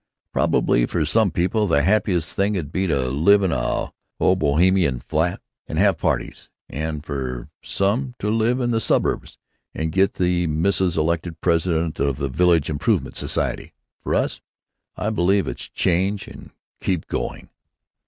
Probably for some people the happiest thing 'd be to live in a hobohemian flat and have parties, and for some to live in the suburbs and get the missus elected president of the Village Improvement Society. For us, I believe, it's change and keep going."